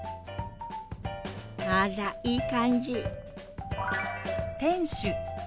あらいい感じ！